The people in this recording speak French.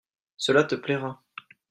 Cela te plaira